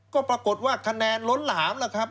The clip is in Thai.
ก็ปรากฏว่าคะแนนล้นหลามแล้วครับ